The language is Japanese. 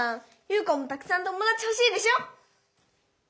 優花もたくさんともだちほしいでしょ？